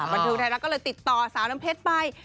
บันทึกแทนก็เลยติดต่อสาน้ำเพชรไป